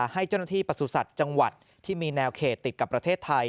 ให้เจ้าหน้าที่ประสุทธิ์จังหวัดที่มีแนวเขตติดกับประเทศไทย